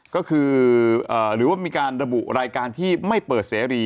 ก็คือหรือว่ามีการระบุรายการที่ไม่เปิดเสรี